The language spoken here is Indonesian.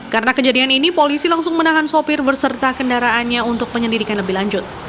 karena kejadian ini polisi langsung menahan sopir berserta kendaraannya untuk penyelidikan lebih lanjut